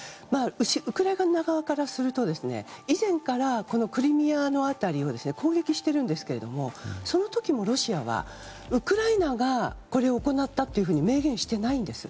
ウクライナ側からすると以前から、クリミアの辺りを攻撃しているんですけれどもその時もロシアはウクライナがこれを行ったというふうに明言していないんです。